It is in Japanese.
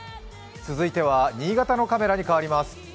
続いては新潟のカメラに変わります。